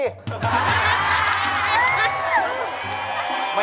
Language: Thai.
ไม่ใช่